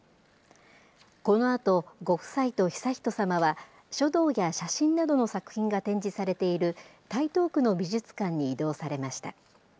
このあと、ご夫妻と悠仁さまは、書道や写真などの作品が展示されている台東区の美術館に移動されました。